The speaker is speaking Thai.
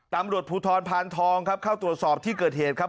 ตำรวจภูทรพานทองครับเข้าตรวจสอบที่เกิดเหตุครับ